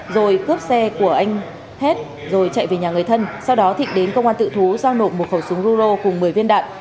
rồi cướp xe của anh hết rồi chạy về nhà người thân sau đó thịnh đến công an tự thú giao nộp một khẩu súng ruro cùng một mươi viên đạn